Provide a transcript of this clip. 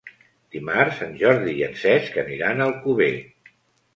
Dimarts en Jordi i en Cesc aniran a Alcover.